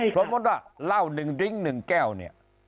เพราะเมื่อเรา๑ลิ้ง๑แก้วเนี่ย